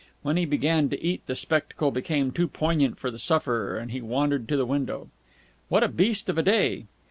When he began to eat the spectacle became too poignant for the sufferer, and he wandered to the window. "What a beast of a day!"